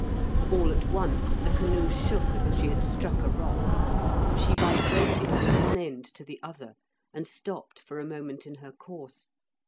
All at once the canoe shook as if she had struck a rock. She vibrated from one end to the other, and stopped for a moment in her course.